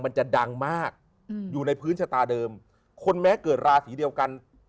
มันจะดังมากอยู่ในพื้นชะตาเดิมคนแม้เกิดราศีเดียวกัน